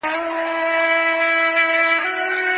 د مرګ سزا د ژوند له حق سره ټکر لري.